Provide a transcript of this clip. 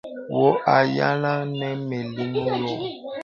Wɔ à yàlaŋ nə mə̀ liŋ wɔ.